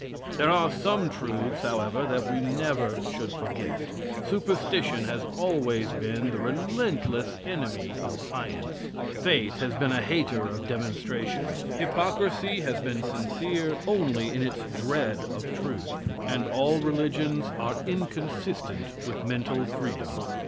There are some truths, however, that we never should forget: Superstition has always been the relentless enemy of science; faith has been a hater of demonstration; hypocrisy has been sincere only in its dread of truth, and all religions are inconsistent with mental freedom.